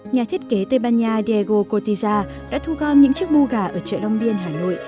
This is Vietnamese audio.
nhà thiết kế tây ban nha diego cortiza đã thu gom những chiếc bu gà ở chợ long biên hà nội